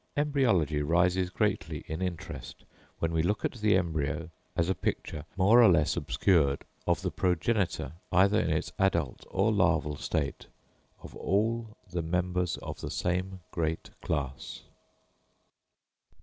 Embryology rises greatly in interest, when we look at the embryo as a picture, more or less obscured, of the progenitor, either in its adult or larval state, of all the members of the same great class.